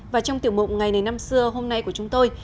và trong tiểu mộng ngày này năm xưa hôm nay của chúng tôi